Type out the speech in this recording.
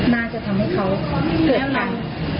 น่าจะทำให้เขาเกิดกัน